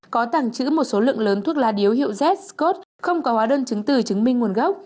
có tàng trữ một số lượng lớn thuốc lá điếu hiệu z scot không có hóa đơn chứng từ chứng minh nguồn gốc